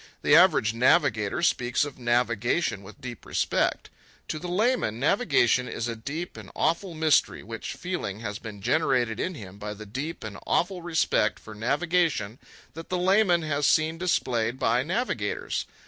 The average navigator speaks of navigation with deep respect. To the layman navigation is a deed and awful mystery, which feeling has been generated in him by the deep and awful respect for navigation that the layman has seen displayed by navigators.